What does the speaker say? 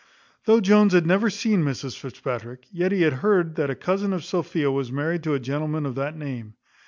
Though Jones had never seen Mrs Fitzpatrick, yet he had heard that a cousin of Sophia was married to a gentleman of that name.